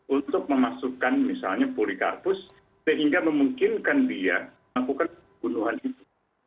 untuk memasukkan misalnya polikarpus sehingga memungkinkan dia melakukan pembunuhan itu